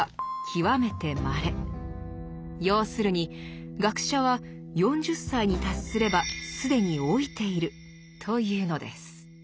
要するに「学者は４０歳に達すれば既に老いている」というのです。